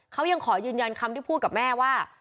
เขายังขอยืนยันคำที่พูดกับแม่ว่า